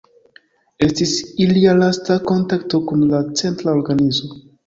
Estis ilia lasta kontakto kun la Centra Organizo.